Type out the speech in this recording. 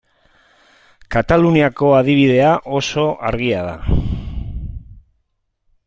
Kataluniako adibidea oso argia da.